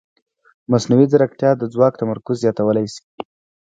مصنوعي ځیرکتیا د ځواک تمرکز زیاتولی شي.